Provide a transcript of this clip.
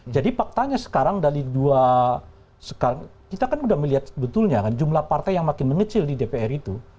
jadi faktanya sekarang dari dua kita kan sudah melihat betulnya kan jumlah partai yang makin mengecil di dpr itu